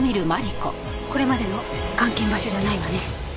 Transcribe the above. これまでの監禁場所じゃないわね。